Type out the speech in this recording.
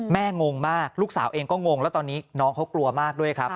งงมากลูกสาวเองก็งงแล้วตอนนี้น้องเขากลัวมากด้วยครับ